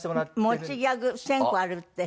持ちギャグ１０００個あるって。